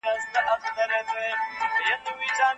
د پوهانو ملګرتیا انسان ته پوهه ور بخښي.